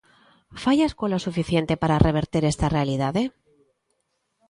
¿Fai a escola o suficiente para reverter esta realidade?